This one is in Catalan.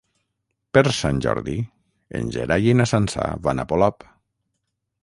Per Sant Jordi en Gerai i na Sança van a Polop.